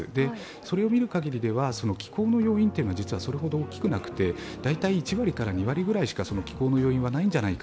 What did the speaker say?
それを見る限りでは、気候の要因はそれほど大きくなくて、大体、１割から２割ぐらいしか気候の要因はないんじゃないか